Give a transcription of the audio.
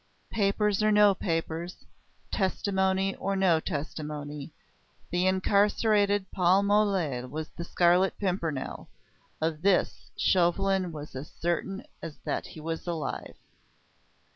Papers or no papers, testimony or no testimony, the incarcerated Paul Mole was the Scarlet Pimpernel of this Chauvelin was as certain as that he was alive.